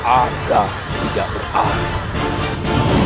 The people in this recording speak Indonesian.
agar tidak berada